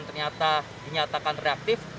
ternyata dinyatakan reaktif